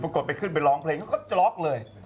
กดไปขึ้นไปร้องเพลงเขาก็จล็อกเลย